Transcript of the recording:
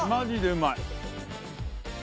うまい。